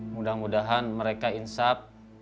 mudah mudahan mereka insap